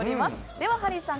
ではハリーさん